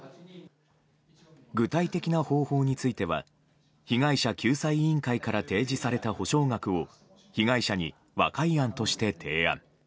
具体的な方法については被害者救済委員会から提示された補償額を被害者に和解案として提案。